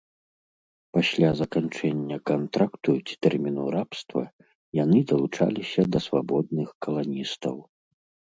Пасля заканчэння кантракту ці тэрміну рабства яны далучаліся да свабодных каланістаў.